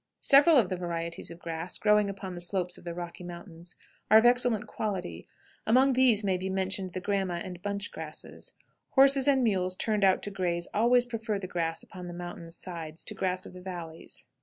Several of the varieties of grass growing upon the slopes of the Rocky Mountains are of excellent quality; among these may be mentioned the Gramma and bunch grasses. Horses and mules turned out to graze always prefer the grass upon the mountain sides to grass of the valleys.